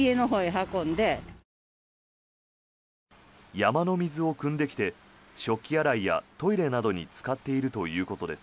山の水をくんできて食器洗いやトイレなどに使っているということです。